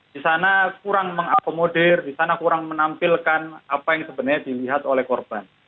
di sana kurang mengakomodir di sana kurang menampilkan apa yang sebenarnya dilihat oleh korban